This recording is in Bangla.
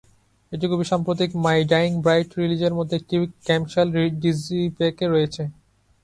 এটি খুব সাম্প্রতিক মাই ডাইং ব্রাইড রিলিজের মতো একটি ক্ল্যামশেল ডিজিপ্যাকে রয়েছে।